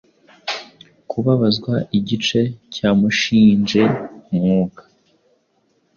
Kubabazwa igice cyamushinje umwuka